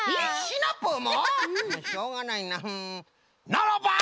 ならば！